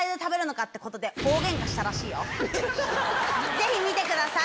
ぜひ見てください！